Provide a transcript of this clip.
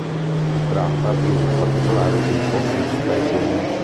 Si tratta di un particolare tipo di speculum.